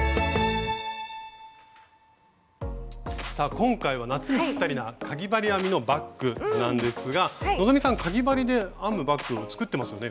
今回は夏にぴったりなかぎ針編みのバッグなんですが希さんかぎ針で編むバッグ作ってますよね。